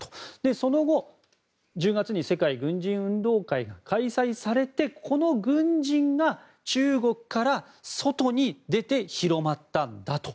その後、１０月に世界軍人運動会が開催されてこの軍人が中国から外に出て広まったんだと。